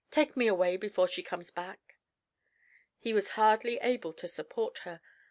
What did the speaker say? Take me away before she comes back." He was hardly able to support her.